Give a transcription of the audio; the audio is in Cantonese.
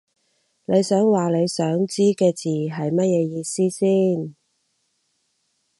你想話你想知嘅字係乜嘢意思先